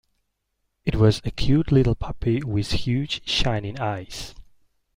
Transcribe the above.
It was a cute little puppy, with huge shining eyes.